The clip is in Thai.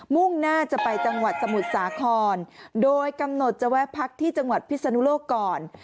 มุ่งหน้าจะไปจังหวัดสมุทรสาครโดยกำหนดจะแวะพักที่จังหวัดพิศนุโลกก่อน